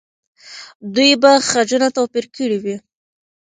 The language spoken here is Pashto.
دوی به خجونه توپیر کړي وي.